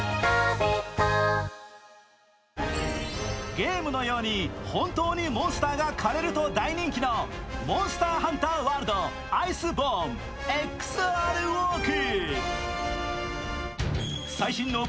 ゲームのように本当にモンスターが狩れると大人気のモンスターハンターワールド：アイスボーンＸＲＷＡＬＫ